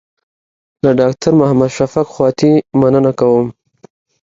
له ډاکټر محمد شفق خواتي مننه کوم.